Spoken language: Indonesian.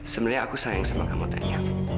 sebenarnya aku sayang sama kamu tanya